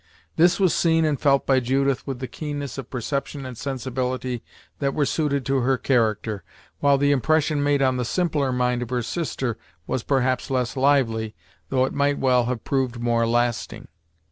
This was seen and felt by Judith with the keenness of perception and sensibility that were suited to her character, while the impression made on the simpler mind of her sister was perhaps less lively, though it might well have proved more lasting.